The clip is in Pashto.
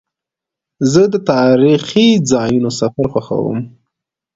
زه د تاریخي ځایونو سفر خوښوم.